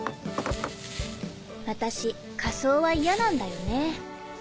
私火葬は嫌なんだよね。